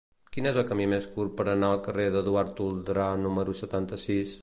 Quin és el camí més curt per anar al carrer d'Eduard Toldrà número setanta-sis?